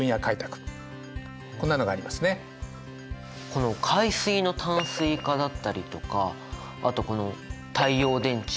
この「海水の淡水化」だったりとかあとこの「太陽電池」